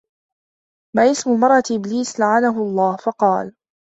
مَا اسْمُ امْرَأَةِ إبْلِيسَ لَعَنَهُ اللَّهُ ؟ فَقَالَ